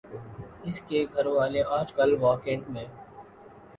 اس کے گھر والے آجکل واہ کینٹ میں